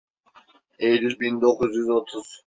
Eylül bin dokuz yüz otuz.